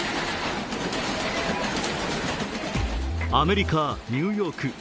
アメリカ・ニューヨーク。